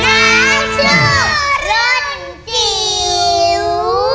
น้าโชว์ร้อนติ๋ว